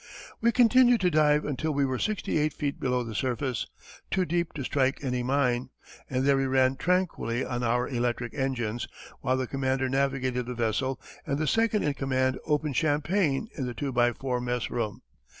We continued to dive until we were sixty eight feet below the surface, too deep to strike any mine, and there we ran tranquilly on our electric engines, while the commander navigated the vessel and the second in command opened champagne in the two by four mess room.